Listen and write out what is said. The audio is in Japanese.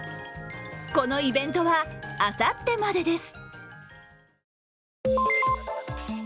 このイベントは、あさってまでです。